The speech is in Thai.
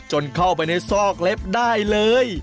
เข้าไปในซอกเล็บได้เลย